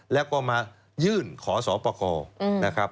แล้วก็มายื่นขอสอปกรณ์